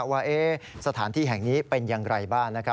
ว่าสถานที่แห่งนี้เป็นอย่างไรบ้าง